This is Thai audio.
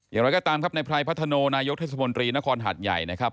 อย่างไรก็ตามครับในไพรพัฒโนนายกเทศมนตรีนครหัดใหญ่นะครับ